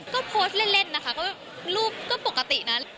ก็โพสต์เล่นนะคะก็รูปก็ปกตินะ